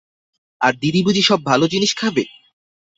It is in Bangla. আর দিদি বুঝি সব ভালো ভালো জিনিস খাবে?